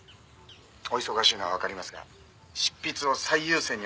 「お忙しいのはわかりますが執筆を最優先にお願いします」